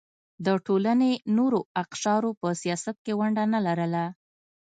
د ټولنې نورو اقشارو په سیاست کې ونډه نه لرله.